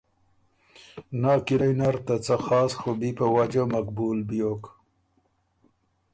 نۀ کِلئ نر ته څه خاص خوبی په وجه مقبول بیوک